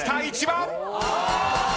１番。